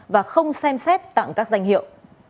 và không xem xét tặng các danh hiệu